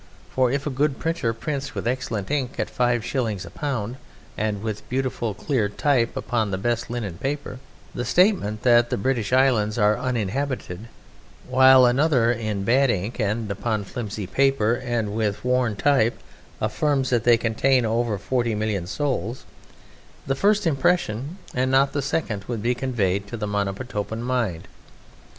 For if a good printer prints with excellent ink at five shillings a pound, and with beautiful clear type upon the best linen paper, the statement that the British Islands are uninhabited, while another in bad ink and upon flimsy paper and with worn type affirms that they contain over forty million souls, the first impression and not the second would be conveyed to the Monomotapan, mind.